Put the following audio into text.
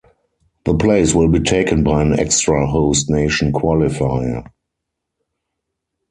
The place will be taken by an extra Host Nation qualifier.